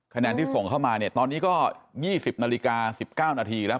คะแนนที่ส่งเข้ามาเนี่ยตอนนี้ก็๒๐นาฬิกา๑๙นาทีแล้ว